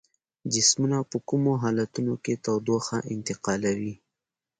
جسمونه په کومو حالتونو کې تودوخه انتقالوي؟